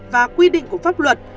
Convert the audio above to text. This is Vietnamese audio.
và quy định của pháp luật